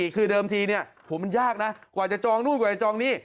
คือเดิมทีเนี่ยโหมันยากนะกว่าจะจองนู่นกว่าจะจองนี่